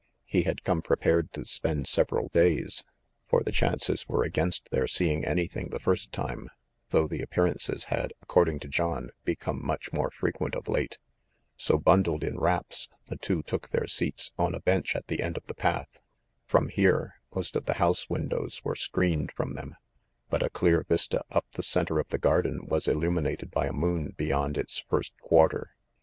He had come prepared to spend several days; for the chances were against their seeing anything the first time, though the appearances had, according to John, become much more frequent of late. So, bundled in wraps, the two took their seats on a bench at the end of the path. From here, most of the house windows were screened from them; but a clear vista up the center of the garden was illuminated by a moon be yond its first quarter.